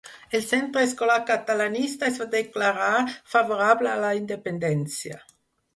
El Centre Escolar Catalanista es va declarar favorable a la Independència.